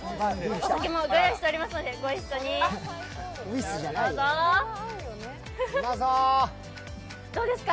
お酒もご用意しておりますので、ご一緒に、どうですか？